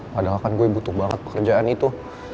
padahal kan gue butuh banget pekerjaan itu